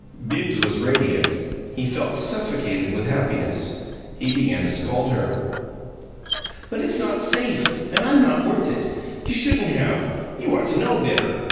Bibbs was radiant; he felt suffocated with happiness. He began to scold her. "But it's not safe, and I'm not worth it. You shouldn't have you ought to know better.